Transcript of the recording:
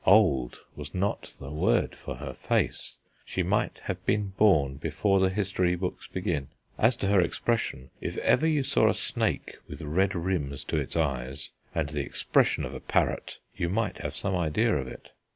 "Old" was not the word for her face: she might have been born before the history books begin. As to her expression, if ever you saw a snake with red rims to its eyes and the expression of a parrot, you might have some idea of it.